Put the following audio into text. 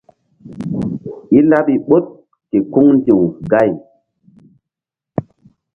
I laɓi ɓoɗ ke kuŋ ndi̧w gay.